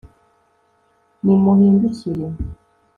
nimuhindukire